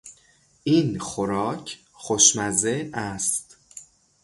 این خوراک خوشمزه است.